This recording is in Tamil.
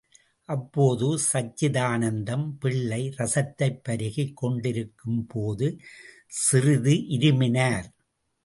அப்போது, சச்சிதானந்தம் பிள்ளை ரசத்தைப் பருகிக் கொண்டிருக்கும்போது சிறிது இருமினார்.